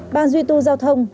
ban duy tu giao thông